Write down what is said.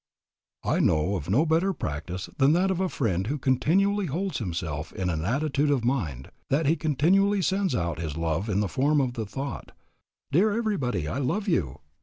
I know of no better practice than that of a friend who continually holds himself in an attitude of mind that he continually sends out his love in the form of the thought, "Dear everybody, I love you."